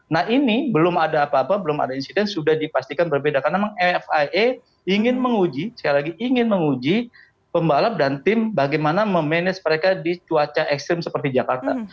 nah ini belum ada apa apa belum ada insiden sudah dipastikan berbeda karena memang afia ingin menguji sekali lagi ingin menguji pembalap dan tim bagaimana memanage mereka di cuaca ekstrim seperti jakarta